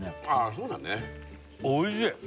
そうだねおいしい！